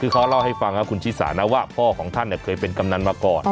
คือเขาเล่าให้ฟังนะคุณชิสานะว่าพ่อของท่านเคยเป็นกำนันมาก่อน